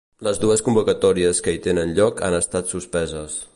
Les dues convocatòries que hi tenen lloc han estat suspeses.